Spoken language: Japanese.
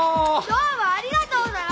「どうもありがとう」だろ！